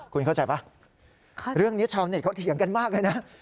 คุณเข้าใจป่ะเรื่องนี้ชาวเน็ตเขาเถียงกันมากเลยนะ